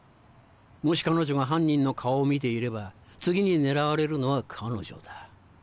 もし彼女が犯人の顔を見ていれば次に狙われるのは彼女だ。